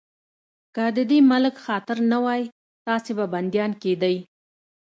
که د دې ملک خاطر نه وای، تاسې به بنديان کېدئ.